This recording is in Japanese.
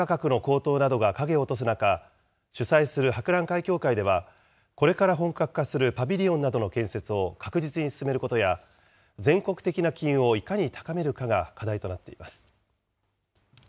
資材価格の高騰などが影を落とす中、主催する博覧会協会では、これから本格化するパビリオンなどの建設を確実に進めることや、全国的な機運をいかに高めるかが課題となっています。